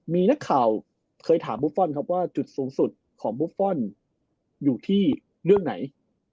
มีนักข่าวเคยถามบุฟฟอลครับว่าจุดสูงสุดของบุฟฟอลอยู่ที่เรื่องไหน